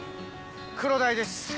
クロダイです。